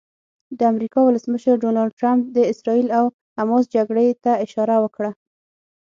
د امریکا ولسمشر ډونالډ ټرمپ د اسراییل او حماس جګړې ته اشاره وکړه.